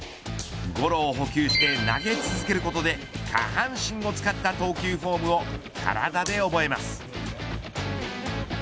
ゴロを捕球して投げ続けることで下半身を使った投球フォームを体で覚えます。